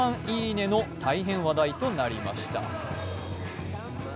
「いいね」の大変話題となりました。